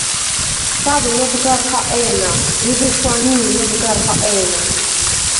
სავ ლჷბგარ ხაყე̄ნა, ჟიბე შვანი̄ ლჷბგარ ხაყე̄ნა.